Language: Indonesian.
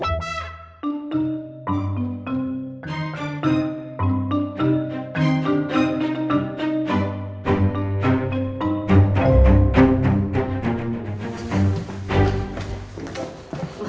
masih di kamar mak